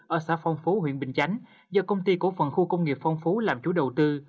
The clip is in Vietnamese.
ở xã phong phú huyện bình chánh do công ty cổ phần khu công nghiệp phong phú làm chủ đầu tư